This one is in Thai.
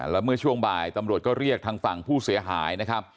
แล้วเมื่อช่วงบ่ายตำรวจก็เรียกทางฝั่งผู้เสียหายนะครับ